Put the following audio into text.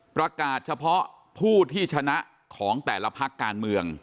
ประกาศเฉพาะผู้ที่ชนะของแต่ละพักการเมือง